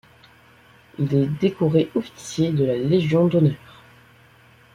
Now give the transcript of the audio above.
Il est décoré officier de la Légion d'honneur.